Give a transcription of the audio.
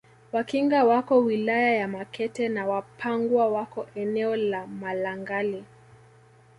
Wakinga wako wilaya ya Makete na Wapangwa wako eneo la Malangali